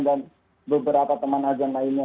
dan beberapa teman adzan lainnya